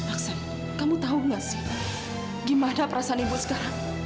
aksen kamu tahu nggak sih gimana perasaan ibu sekarang